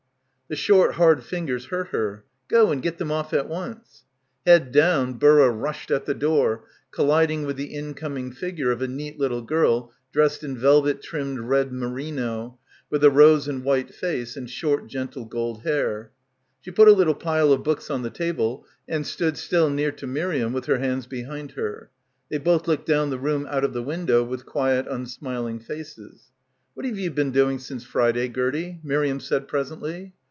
The short hard fingers hurt her. "Go and get them off at once." Head down Burra rushed at the door, colliding with the incoming figure of a neat little girl dressed in velvet trimmed red merino, with a rose and white face and short gentle gold hair. She put a little pile of books on the table and stood still near to Miriam, with her hands behind her. They both looked down the room out of the window, with quiet unsmiling faces. "What have you been doing since Friday, Gertie?" Miriam said pres ently.